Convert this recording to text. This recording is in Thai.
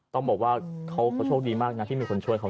ต้องบอกว่าเขาโชคดีมากนะที่มีคนช่วยเขา